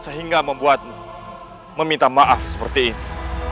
sehingga membuat meminta maaf seperti ini